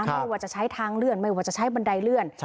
ไม่ว่าจะใช้ทางเลื่อนไม่ว่าจะใช้บันไดเลื่อน